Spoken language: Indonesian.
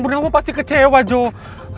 bu nawang pasti kecewa joe